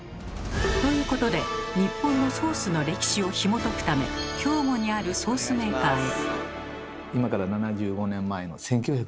ということで日本のソースの歴史をひもとくため兵庫にあるソースメーカーに。